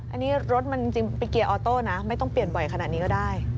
อันนี้รถมันจริงไปเกียร์ออโต้นะไม่ต้องเปลี่ยนบ่อยขนาดนี้ก็ได้